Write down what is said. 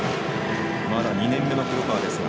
まだ２年目の黒川ですが。